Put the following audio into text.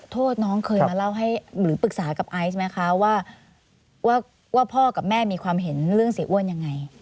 โทษน้องเคยมาเล่าให้หรือปรึกษากับไอซ์ไหมคะว่าพ่อกับแม่มีความเห็นเรื่องเสียอ้วนยังไง